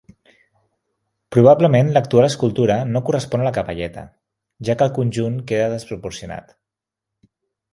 Probablement l'actual escultura no correspon a la capelleta, ja que el conjunt queda desproporcionat.